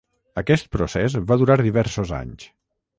Aquest procés va durar diversos anys.